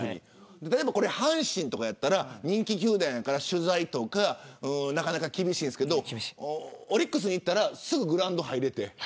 阪神なら人気球団だから取材とかなかなか厳しいんですけどオリックスに行ったらすぐにグラウンドに入れて。